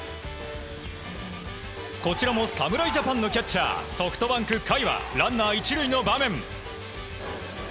こちらも侍ジャパンのキャッチャーソフトバンク甲斐はランナー１塁の場面。